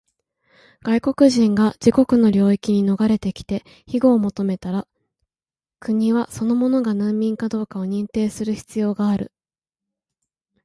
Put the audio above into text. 外国人が自国の領域に逃れてきて庇護を求めたら、国はその者が難民かどうかを認定する必要がある。